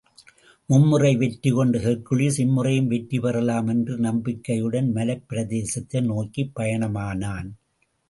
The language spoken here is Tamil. மும்முறை வெற்றி கொண்ட ஹெர்க்குலிஸ் இம்முறையும் வெற்றி பெறலாம் என்ற நம்பிக்கையுட்ன் மலைப் பிரதேசத்தை நோக்கிப் பயணமானான்.